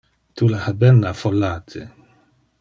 Tu le ha ben affollate.